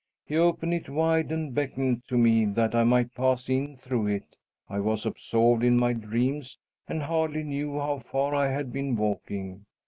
He opened it wide and beckoned to me that I might pass in through it. I was absorbed in my dreams and hardly knew how far I had been walking.